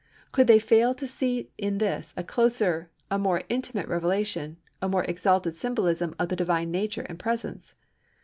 Could they fail to see in this a closer, a more intimate revelation, a more exalted symbolism of the Divine Nature and Presence?